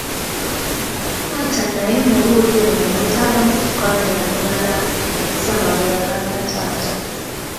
Taata naye mu buugi buno mwetaagamu sukaali omulala, Zama bwe yagamba taata.